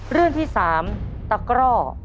เรื่องที่๓ตะกร่อ